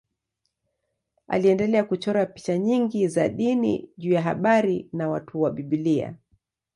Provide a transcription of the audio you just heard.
Aliendelea kuchora picha nyingi za dini juu ya habari na watu wa Biblia.